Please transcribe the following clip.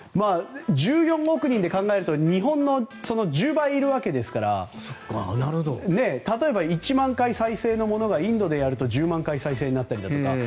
１４億人で考えると日本の１０倍いるわけですから例えば１万回再生のものがインドでやると１０万回再生になったりとか。